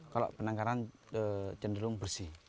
kalau penangkaran cenderung bersih